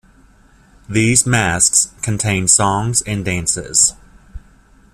These masques contained songs and dances.